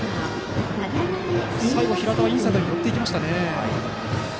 最後、平田はインサイドに寄っていきましたね。